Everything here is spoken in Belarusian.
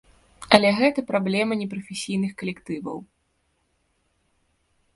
Але гэта праблема непрафесійных калектываў.